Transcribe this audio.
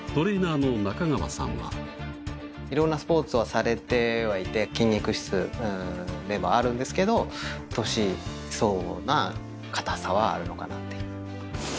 いろんなスポーツをされてはいて、筋肉質でもあるんですけど、年相応な硬さはあるのかなっていう。